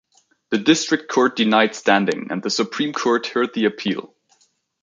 The district court denied standing, and the Supreme Court heard the appeal.